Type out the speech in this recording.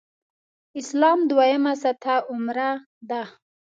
اسلام دویمه سطح عمره ده.